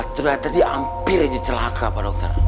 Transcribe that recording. ternyata dia hampir jadi celaka pak dokter